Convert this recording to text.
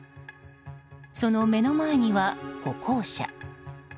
その目の前には歩行者。